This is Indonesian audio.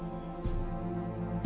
aku mau pulang